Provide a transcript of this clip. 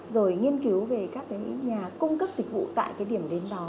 rồi nghiên cứu về các cái nhà cung cấp dịch vụ tại cái điểm đến đó